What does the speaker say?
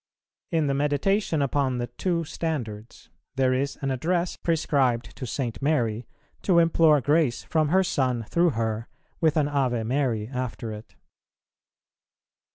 In the Meditation upon the Two Standards, there is an address prescribed to St. Mary to implore grace from her Son through her, with an Ave Mary after it.